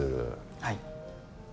はい。